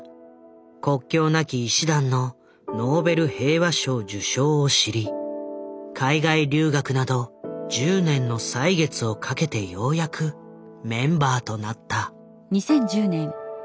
国境なき医師団のノーベル平和賞受賞を知り海外留学など１０年の歳月をかけてようやくメンバーとなった。